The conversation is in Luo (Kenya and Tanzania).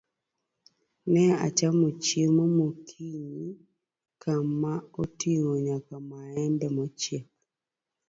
Ne achamo chiemo mokinyi kama oting'o nyaka maembe mochiek.